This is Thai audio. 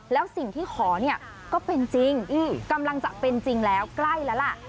แล้วสิ่งที่ขอเนี่ยก็เป็นจริงกำลังจะเป็นจริงแล้วใกล้แล้วล่ะ